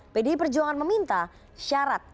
pdi perjuangan meminta syarat